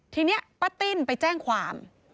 ทีนี้ป้าติ้นไปแจ้งความ